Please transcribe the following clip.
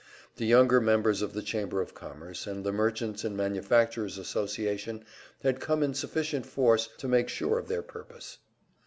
The younger members of the Chamber of Commerce and the Merchants' and Manufacturers' Association had come in sufficient force to make sure of their purpose.